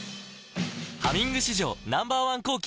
「ハミング」史上Ｎｏ．１抗菌